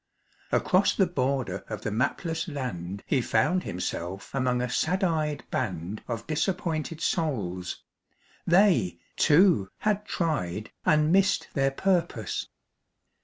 Across the border of the mapless land He found himself among a sad eyed band Of disappointed souls; they, too, had tried And missed their purpose.